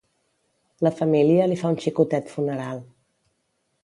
La família li fa un xicotet funeral.